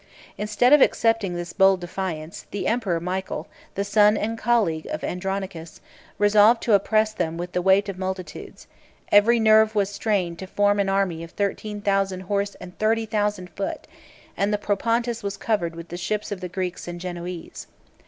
Instead of accepting this bold defiance, the emperor Michael, the son and colleague of Andronicus, resolved to oppress them with the weight of multitudes: every nerve was strained to form an army of thirteen thousand horse and thirty thousand foot; and the Propontis was covered with the ships of the Greeks and Genoese.